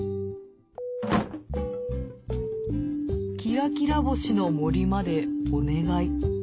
キラキラ星の森までお願い。